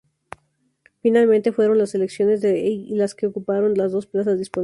Finalmente, fueron las selecciones de y las que ocuparon las dos plazas disponibles.